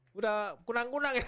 sudah kunang kunang ya